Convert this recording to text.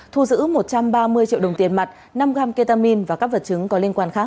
thu giữ một trăm ba mươi triệu đồng tiền mặt năm gram ketamin và các vật chứng có liên quan khác